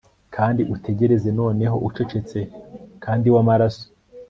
kandi utegereze noneho, ucecetse kandi wamaraso